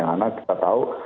karena kita tahu